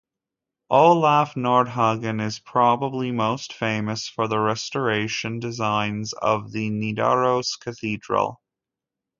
Olaf Nordhagen is probably most famous for the restoration designs of the Nidaros Cathedral.